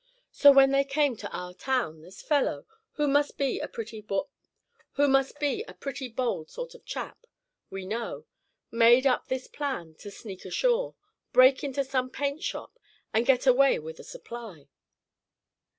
So when they came to our town, this fellow, who must be a pretty bold sort of chap, we know, made up this plan to sneak ashore, break into some paint shop, and get away with a supply."